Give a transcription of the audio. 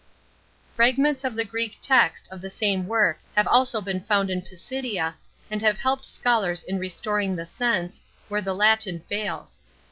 Fragments of the Greek text of the same work have also been found in Pisidia, and have hel| ed scholars in restoring the sense, where the Latin fails.